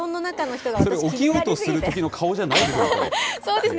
これ、起きようとするときの顔じゃないですよね。